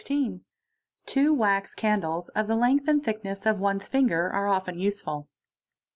Two wax candles of the length and thickness of one's finger are often useful.